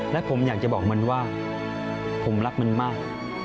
และผมอยากจะบอกมันว่าผมรักมันมาก